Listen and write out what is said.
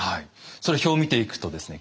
それ表を見ていくとですね